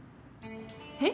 えっ？